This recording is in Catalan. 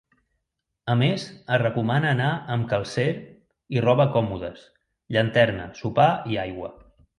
A més, es recomana anar amb calcer i roba còmodes, llanterna, sopar i aigua.